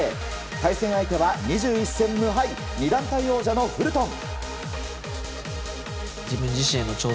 対戦相手は２１戦無敗２団体王者のフルトン。